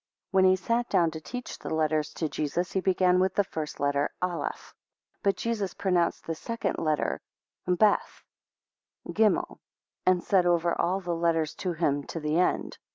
4 When he sat down to teach the letters to Jesus, he began with the first letter Aleph; 5 But Jesus pronounced the second letter Mpeth (Beth) Cghimel (Gimel), and said over all the letters to him to the end.